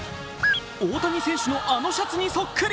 大谷選手のあのシャツにそっくり。